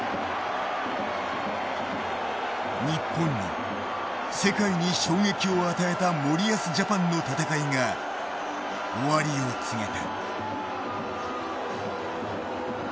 日本に世界に衝撃を与えた森保ジャパンの戦いが終わりを告げた。